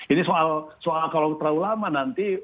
ini soal kalau terlalu lama nanti